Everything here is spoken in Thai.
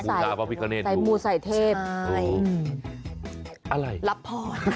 เขาต้องใส่มูดสายเทพโอ้โหรับพอ